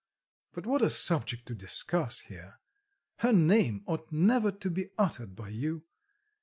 But what a subject to discuss here! Her name ought never to be uttered by you.